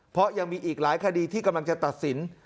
เพราะยังมีอีกหลายคดีที่กำลังจะตัดสิน